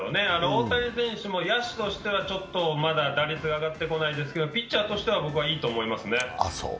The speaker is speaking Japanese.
大谷選手も野手としてはまだ打率が上がってこないですけどピッチャーとしては僕はいいと思いますね。